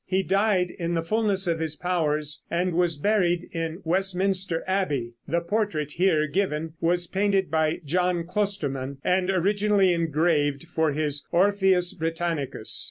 He died in the fullness of his powers and was buried in Westminster Abbey. The portrait here given was painted by John Closterman, and originally engraved for his "Orpheus Britannicus."